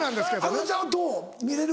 あのちゃんはどう？見れる？